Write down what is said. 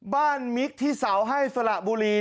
มิกที่เสาให้สละบุรี